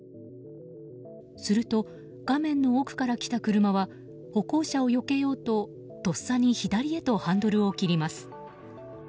すると、画面の奥から来た車は歩行者をよけようととっさに左へとハンドルを切ります。